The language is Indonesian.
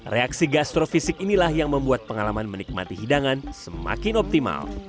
reaksi gastrofisik inilah yang membuat pengalaman menikmati hidangan semakin optimal